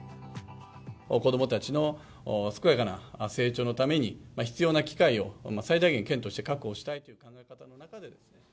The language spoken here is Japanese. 子どもたちの健やかな成長のために、必要な機会を最大限、県として確保したいという考え方の中で。